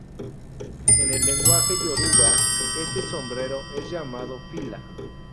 En el lenguaje Yoruba, este sombrero es llamado "fila".